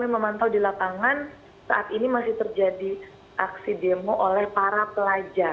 memantau di lapangan saat ini masih terjadi aksi demo oleh para pelajar